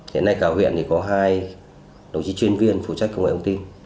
hiện nay cả huyện thì có hai đồng chí chuyên viên phụ trách công nghệ thông tin